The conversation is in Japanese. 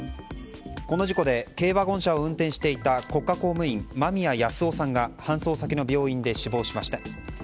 この事故で軽ワゴン車を運転していた国家公務員間宮保男さんが搬送先の病院で死亡しました。